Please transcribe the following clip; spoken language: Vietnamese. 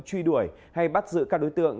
truy đuổi hay bắt giữ các đối tượng